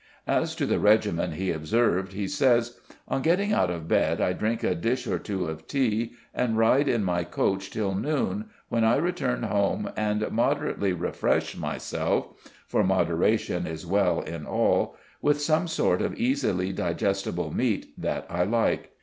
As to the regimen he observed, he says: "On getting out of bed I drink a dish or two of tea, and ride in my coach till noon, when I return home and moderately refresh myself (for moderation is well in all) with some sort of easily digestible meat that I like.